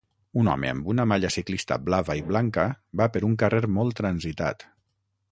Un home amb una malla ciclista blava i blanca va per un carrer molt transitat.